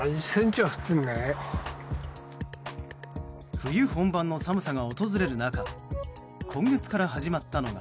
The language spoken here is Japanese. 冬本番の寒さが訪れる中今月から始まったのが。